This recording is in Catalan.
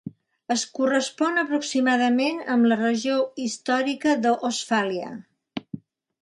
Es correspon aproximadament amb la regió històrica de Ostfàlia.